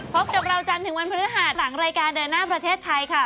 พบกับเราจันทร์ถึงวันพฤหัสหลังรายการเดินหน้าประเทศไทยค่ะ